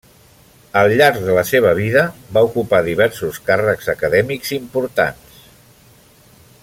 Al llarg de la seva vida va ocupar diversos càrrecs acadèmics importants.